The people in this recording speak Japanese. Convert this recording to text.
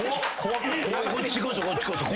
こっちこそこっちこそ。